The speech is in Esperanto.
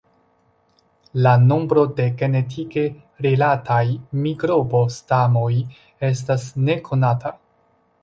La nombro de genetike rilataj mikrobo-stamoj estas nekonata.